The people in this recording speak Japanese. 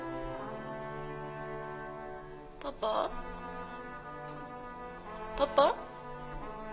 「パパ？パパ？」